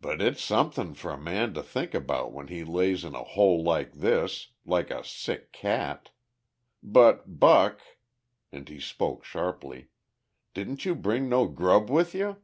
"But it's somethin' for a man to think about when he lays in a hole like this like a sick cat. But, Buck," and he spoke sharply, "didn't you bring no grub with you?"